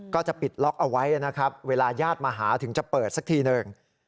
ก็จะปิดล็อกเอาไว้นะครับเวลาญาติมาหาถึงจะเปิดสักทีหนึ่ง